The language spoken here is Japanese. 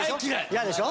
嫌でしょ？